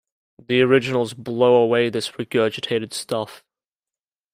The originals blow away this regurgitated stuff.